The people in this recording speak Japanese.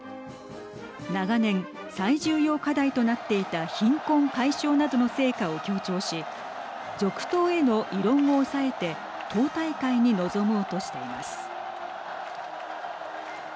長年、最重要課題となっていた貧困解消などの成果を強調し続投への異論を抑えて党大会に臨もうとしています。